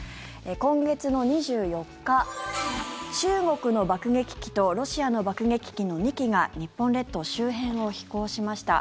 今月の２４日、中国の爆撃機とロシアの爆撃機の２機が日本列島周辺を飛行しました。